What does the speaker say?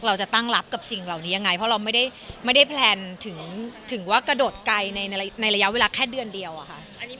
เราจะตั้งรับกับสิ่งเหล่านี้ยังไงเพราะเราไม่ได้แพลนถึงว่ากระโดดไกลในระยะเวลาแค่เดือนเดียวอะค่ะ